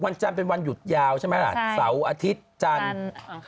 เราหยุดยาวใช่ไหมล่ะเสาร์อาทิตย์จันทร์